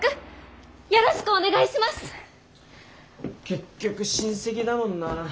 結局親戚だもんな。